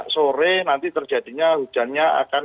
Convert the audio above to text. sore nanti terjadinya hujannya akan